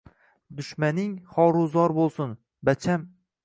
Dushmaning xoru zor bo‘lsun, bacham!